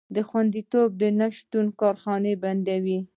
د خوندیتوب نشتون کارخانې بندوي.